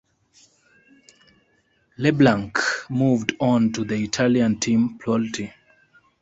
Leblanc moved on to the Italian team Polti.